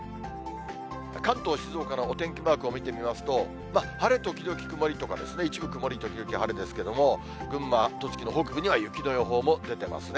関東、静岡のお天気マークを見てみますと、晴れ時々曇りとか、一部曇り時々晴れですけれども、群馬、栃木の北部には雪の予報も出てますね。